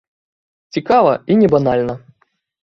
Цікава і не банальна.